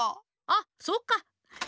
あそっか。